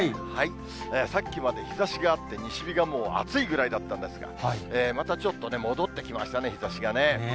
さっきまで日ざしがあって、西日がもう暑いぐらいだったんですが、またちょっとね、戻ってきましたね、日ざしがね。